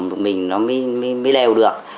sản phẩm của mình nó mới đều được